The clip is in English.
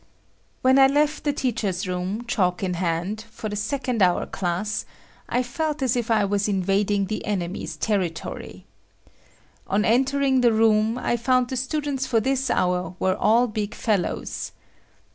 When I left the teachers' room, chalk in hand, for the second hour class, I felt as if I was invading the enemy's territory. On entering the room, I found the students for this hour were all big fellows.